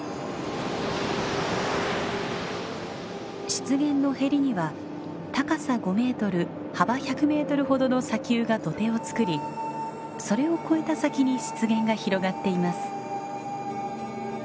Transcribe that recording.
湿原のへりには高さ５メートル幅１００メートルほどの砂丘が土手をつくりそれを越えた先に湿原が広がっています。